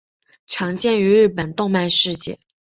常见于日本动漫业界。